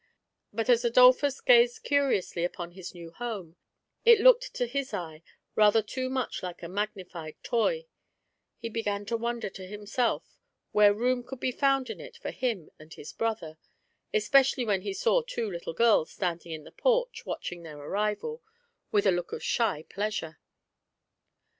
But as Adolphus gazed curiously upon his new home, it looked to his eye rather too much like a magnified toy: he began to wonder to himself where room could be found in it for him and his brother, especially when he saw two little girls standing in the porch watching their arrival with a look of shy pleasure.